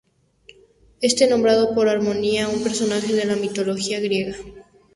Está nombrado por Harmonía, un personaje de la mitología griega.